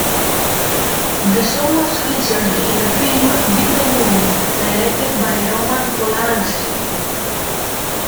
The song was featured in the film "Bitter Moon", directed by Roman Polanski.